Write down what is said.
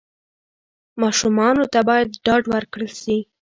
ماشومانو ته باید ډاډ ورکړل سي.